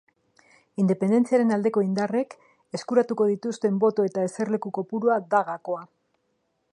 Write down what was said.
Independentziaren aldeko indarrek eskuratuko dituzten boto eta eserleku kopurua da gakoa.